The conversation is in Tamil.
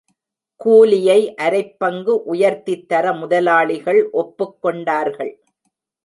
கூலியை அரைப் பங்கு உயர்த்தித் தர முதலாளிகள் ஒப்புக் கொண்டார்கள்.